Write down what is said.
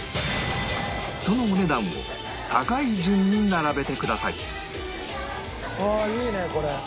そのお値段を高い順に並べてください